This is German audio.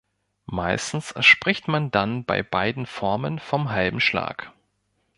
Meistens spricht man dann bei beiden Formen vom halben Schlag.